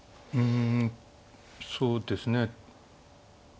うんそうですね